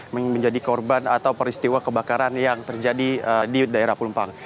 menjadi korban atau peristiwa kebakaran yang terjadi di daerah pelumpang